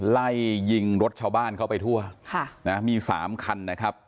ไล่ยิงรถชาวบ้านเข้าไปทั่วค่ะนะมีสามคันนะครับ